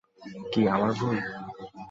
কী, আমার ভুল?